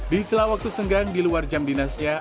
di selawaktu senggang di luar jam dinasnya